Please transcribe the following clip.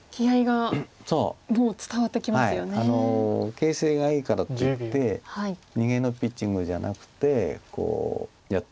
形勢がいいからといって逃げのピッチングじゃなくてこうやってくれるのは。